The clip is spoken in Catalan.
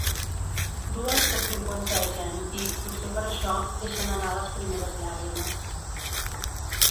Dues que cinquantegen i, potser per això, deixen anar les primeres llàgrimes.